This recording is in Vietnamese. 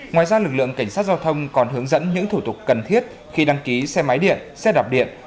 ngoài ra lực lượng cảnh sát giao thông còn hướng dẫn những thủ tục cần thiết khi đăng ký xe máy điện xe đạp điện